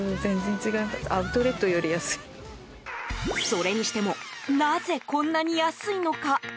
それにしてもなぜ、こんなに安いのか。